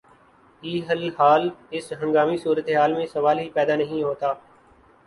ی الحال اس ہنگامی صورتحال میں سوال ہی پیدا نہیں ہوتا